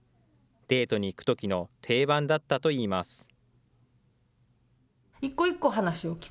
デートに行くときの定番だったといいます。